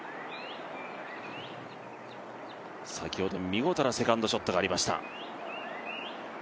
先ほど見事なセカンドショットがありました。